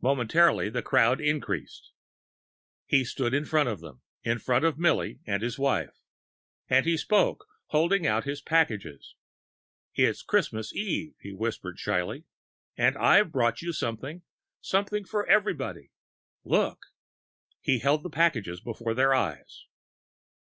Momentarily the crowd increased. He stood in front of them in front of Milly and his wife. And he spoke holding out his packages. "It's Christmas Eve," he whispered shyly, "and I've brought you something something for everybody. Look!" He held the packages before their eyes.